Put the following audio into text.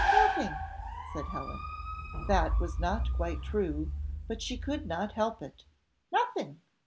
"Nothing!" said Helen. That was not quite true; but she could not help it "Nothing!"